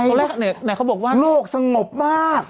เวลาแรกไหนเขาบอกว่าโลกสงบมาก